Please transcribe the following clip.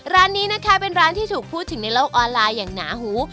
ร้านนี้นะคะเป็นร้านที่ถูกพูดถึงในโลกออนไลน์อย่างหนาหู